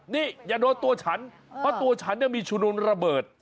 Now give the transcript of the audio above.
นี่อย่าโดนตัวฉันเพราะตัวฉันเนี่ยมีชุนระเบิด